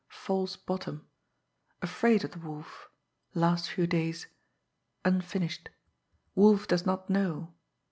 false bottom ... afraid of the Wolf ... last few days ... unfinished ... Wolf does not know